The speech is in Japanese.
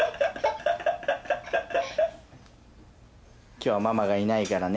今日はママがいないからね